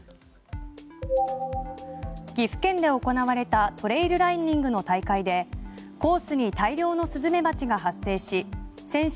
岐阜県で行われたトレイルランニングの大会でコースに大量のスズメバチが発生し選手